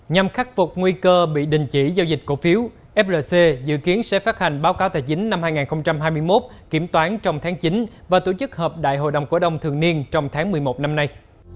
nhằm khắc phục nguy cơ bị đình chỉ giao dịch cổ phiếu flc dự kiến sẽ phát hành báo cáo tài chính năm hai nghìn hai mươi một kiểm toán trong tháng chín và tổ chức hợp đại hội đồng cổ đông thường niên trong tháng một mươi một năm nay